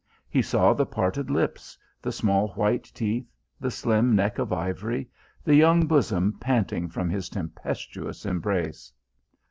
He saw the parted lips, the small white teeth, the slim neck of ivory, the young bosom panting from his tempestuous embrace.